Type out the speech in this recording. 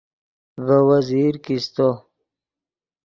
ڤے وزیر کیستو